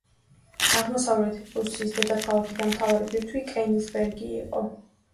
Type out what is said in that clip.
აღმოსავლეთი პრუსიის დედაქალაქი და მთავარი ბირთვი კენიგსბერგი იყო.